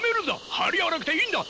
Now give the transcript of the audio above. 張り合わなくていいんだ！